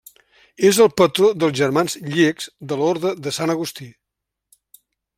És el patró dels germans llecs de l'Orde de Sant Agustí.